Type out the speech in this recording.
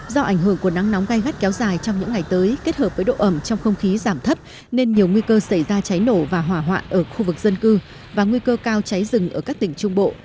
do ảnh hưởng của nắng nóng gai gắt kéo dài trong những ngày tới kết hợp với độ ẩm trong không khí giảm thấp nên nhiều nguy cơ xảy ra cháy nổ và hỏa hoạn ở khu vực dân cư và nguy cơ cao cháy rừng ở các tỉnh trung bộ